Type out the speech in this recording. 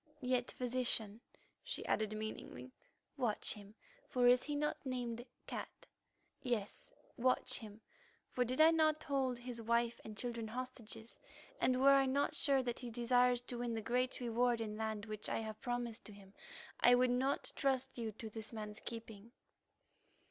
"Yet, Physician," she added meaningly, "watch him, for is he not named 'Cat'? Yes, watch him, for did I not hold his wife and children hostages, and were I not sure that he desires to win the great reward in land which I have promised to him, I would not trust you to this man's keeping."